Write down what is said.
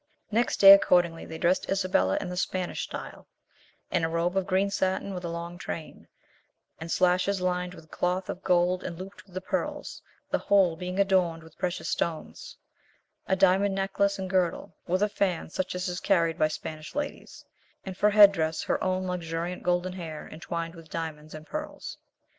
Next day accordingly they dressed Isabella in the Spanish style, in a robe of green satin with a long train, and slashes lined with cloth of gold and looped with the pearls, the whole being adorned with precious stones; a diamond necklace and girdle, with a fan such as is carried by Spanish ladies; and for head dress her own luxuriant golden hair entwined with diamonds and pearls.